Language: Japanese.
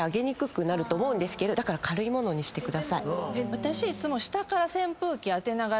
私いつも。